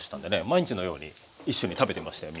毎日のように一緒に食べてましたよ